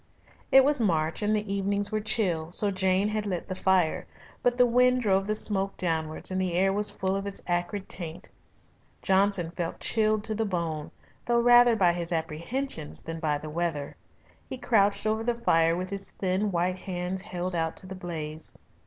It was March and the evenings were chill, so Jane had lit the fire, but the wind drove the smoke downwards and the air was full of its acrid taint. Johnson felt chilled to the bone, though rather by his apprehensions than by the weather. He crouched over the fire with his thin white hands held out to the blaze.